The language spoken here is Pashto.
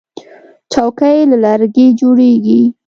چوکۍ له لرګي جوړیږي.